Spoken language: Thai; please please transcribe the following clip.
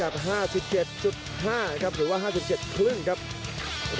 เป็นพรีการ๕๗๕ครับหรือว่า๕๗๕ครับ